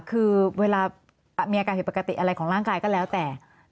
คือเวลามีอาการผิดปกติอะไรของร่างกายก็แล้วแต่